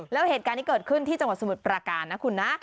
แล้วเหตุการณ์ที่เกิดขึ้นที่จังหวัดสมุทรปราการนะคุณนะ